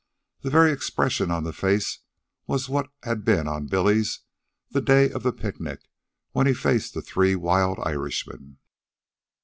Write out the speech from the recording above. The very expression on the face was what had been on Billy's the day of the picnic when he faced the three wild Irishmen.